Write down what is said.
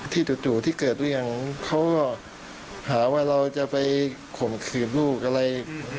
จู่ที่เกิดเรื่องเขาก็หาว่าเราจะไปข่มขืนลูกอะไร